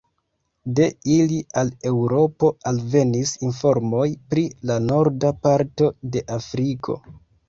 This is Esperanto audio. De ili al Eŭropo alvenis informoj pri la norda parto de Afriko.